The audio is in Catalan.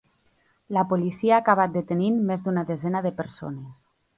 La policia ha acabat detenint més d’una desena de persones.